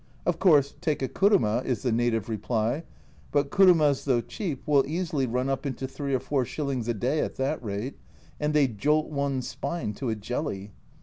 Of course, take a kuruma, is the native reply, but kurumas, though cheap, will easily run up into three or four shillings a day at that rate, and they jolt one's spine to a jelly.